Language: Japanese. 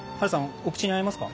お口に合いますか？